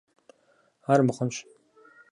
Ар мыхъунщ.